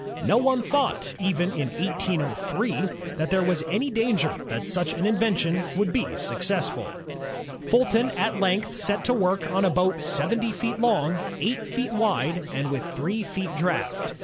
No one thought, even in 1803, that there was any danger that such an in vention would be a success. Fulton at length set to work on a boat seventy feet long, eight feet wide, and with three feet draft.